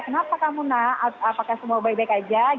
kenapa kamu nah apakah semua baik baik saja